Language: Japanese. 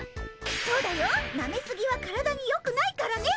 そうだよなめすぎは体によくないからね。